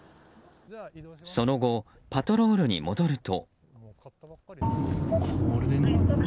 その後、パトロールに戻ると。